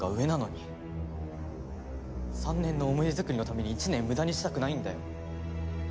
３年の思い出作りのために１年無駄にしたくないんだよ。